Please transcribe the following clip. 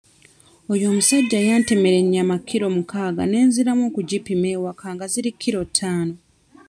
Oyo omusajja yantemera ennyama kiro mukaaga ne nziramu okugipima ewaka nga ziri kiro ttaano.